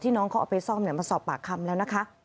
น้องเขาเอาไปซ่อมมาสอบปากคำแล้วนะคะ